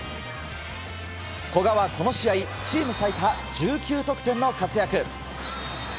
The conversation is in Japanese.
古賀はこの試合、チーム最多１９得点の活躍。